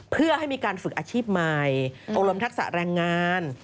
เพื่อให้มีการฝึกอาชีพใหม่อบรมทักษะแรงงาน